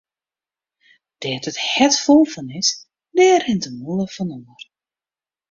Dêr't it hert fol fan is, dêr rint de mûle fan oer.